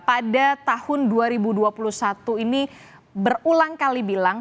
pada tahun dua ribu dua puluh satu ini berulang kali bilang